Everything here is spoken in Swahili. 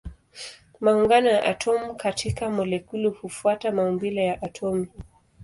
Maungano ya atomi katika molekuli hufuata maumbile ya atomi.